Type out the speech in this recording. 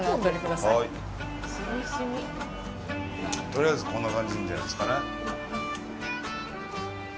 とりあえず、こんな感じでいいんじゃないですかね。